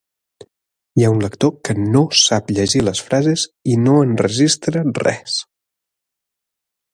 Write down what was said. Hi ha un lector que no sap llegir les frases i no enregistra res